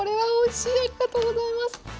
ありがとうございます！